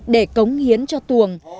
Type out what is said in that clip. để cống hiến cho tuồng